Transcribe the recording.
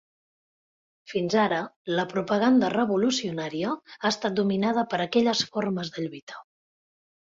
Fins ara, la propaganda revolucionària ha estat dominada per aquelles formes de lluita.